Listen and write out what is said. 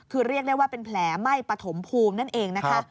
คือเรียกได้ว่าเป็นแผลไหม้ปฐมภูมินั่นเองนะคะ